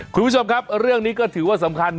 คุณผู้ชมครับเรื่องนี้ก็ถือว่าสำคัญ